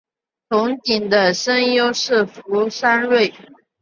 憧憬的声优是福山润。